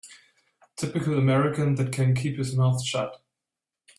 Typical American that can keep his mouth shut.